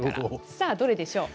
さあどれでしょう。